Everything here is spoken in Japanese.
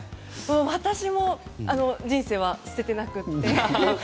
私も人生は捨ててなくて。